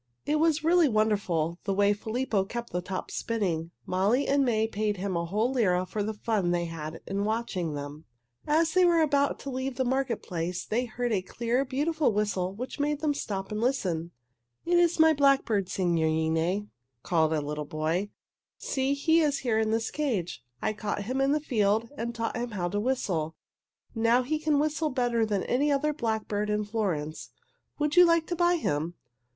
It was really wonderful, the way Filippo kept the tops spinning. Molly and May paid him a whole lira for the fun they had in watching them. As they were about to leave the market place they heard a clear, beautiful whistle which made them stop and listen. "It is my blackbird, signorine," called a little boy. "See, he is here in this cage. I caught him in the field and taught him how to whistle. Now he can whistle better than any other blackbird in Florence. Would you like to buy him?"